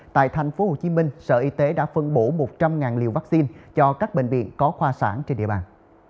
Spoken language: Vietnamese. tại tp hcm sở y tế đã phân bổ một trăm linh liều vaccine cho các bệnh viện có khoa sản trên địa bàn